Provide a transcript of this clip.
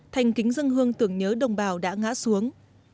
thành kính dân hương tưởng nhớ đồng bào đã ngã xuống